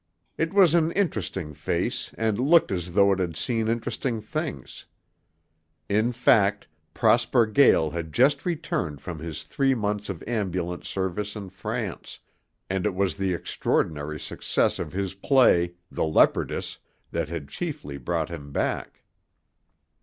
It was an interesting face and looked as though it had seen interesting things. In fact, Prosper Gael had just returned from his three months of ambulance service in France, and it was the extraordinary success of his play, "The Leopardess," that had chiefly brought him back.